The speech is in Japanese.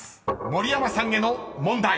［盛山さんへの問題］